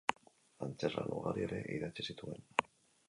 Antzezlan ugari ere idatzi zituen.